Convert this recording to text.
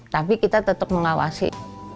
tapi kita tetap mengawasi